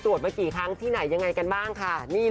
ตรวจมากี่ครั้งที่ไหนยังไงบ้างค่ะ